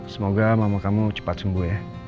semoga mama kamu cepat sembuh ya